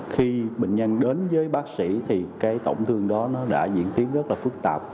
khi bệnh nhân đến với bác sĩ thì cái tổn thương đó nó đã diễn tiến rất là phức tạp